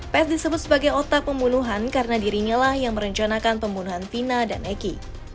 pes disebut sebagai otak pembunuhan karena dirinya lah yang merencanakan pembunuhan vina dan eki